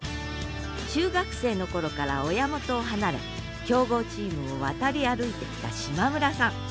中学生の頃から親元を離れ強豪チームを渡り歩いてきた島村さん。